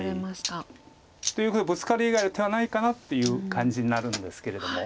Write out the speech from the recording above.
ということはブツカリ以外の手はないかなっていう感じになるんですけれども。